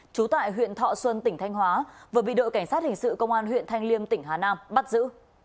trú tại huyện thọ xuân tỉnh thanh hóa vừa bị đội cảnh sát hình sự công an huyện thanh liêm tỉnh hà nam bắt giữ